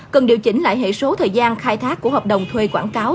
cần điều chỉnh lại hệ số thời gian khai thác của hợp đồng thuê quảng cáo